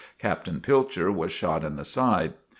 Captain Pilcher was shot in the side.